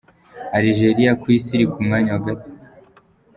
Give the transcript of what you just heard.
Algeriya: ku isi iri ku mwanya wa .